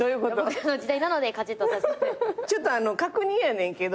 ちょっと確認やねんけど